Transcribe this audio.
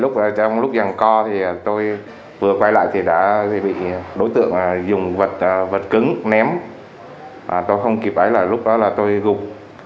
trong lúc dàn co tôi vừa quay lại thì đã bị đối tượng dùng vật cứng ném tôi không kịp ấy là lúc đó tôi gục